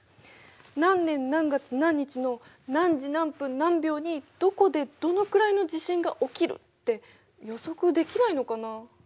「何年何月何日の何時何分何秒にどこでどのくらいの地震が起きる」って予測できないのかな。